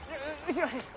後ろ？